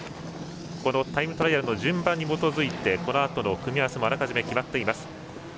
このタイムトライアルの順番に基づいてこのあとの組み合わせもあらかじめ決まっています。